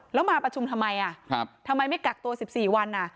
แล้วมาประชุมทำไมทำไมไม่กักตัว๑๔วัน